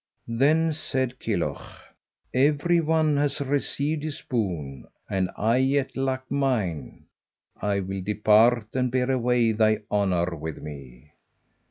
Then said Kilhuch, "Every one has received his boon, and I yet lack mine. I will depart and bear away thy honour with me."